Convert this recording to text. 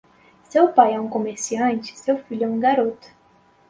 Se o pai é um comerciante, seu filho é um garoto.